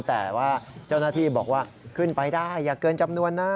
แต่ว่าเจ้าหน้าที่บอกว่าขึ้นไปได้อย่าเกินจำนวนนะ